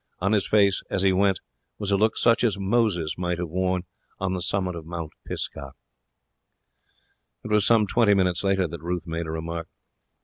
On his face, as he went, was a look such as Moses might have worn on the summit of Pisgah. It was some twenty minutes later that Ruth made a remark.